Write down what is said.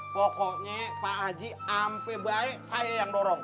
pokoknya pak waji sampai baik saya yang dorong